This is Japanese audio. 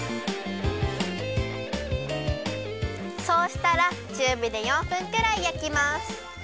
そうしたらちゅうびで４分くらいやきます。